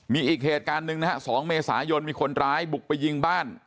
มีอีกเหตุการณ์หนึ่งนะฮะ๒เมษายนมีคนร้ายบุกไปยิงบ้าน